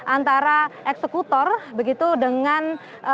antara eksekutor begitu dengan